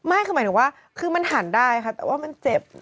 ไม่คือหมายถึงว่าคือมันหันได้ค่ะแต่ว่ามันเจ็บ